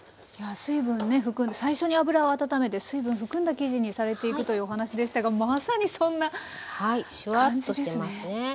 水分含んで最初に油を温めて水分を含んだ生地にされていくというお話でしたがまさにそんな感じですね。